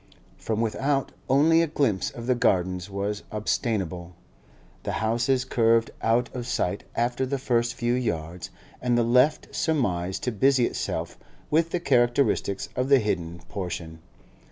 From without, only a glimpse of the Gardens was obtainable; the houses curved out of sight after the first few yards, and left surmise to busy itself with the characteristics of the hidden portion.